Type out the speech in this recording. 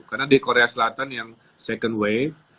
karena di korea selatan yang second wave